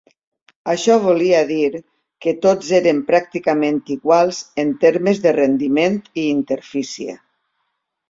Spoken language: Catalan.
Això volia dir que tots eren pràcticament iguals en termes de rendiment i interfície.